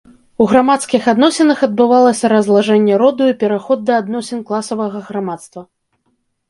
У грамадскіх адносінах адбывалася разлажэнне роду і пераход да адносін класавага грамадства.